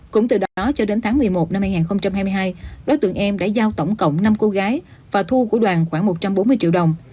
cũng từ đó cho đến tháng một mươi một năm hai nghìn hai mươi hai đối tượng em đã giao tổng cộng năm cô gái và thu của đoàn khoảng một trăm bốn mươi triệu đồng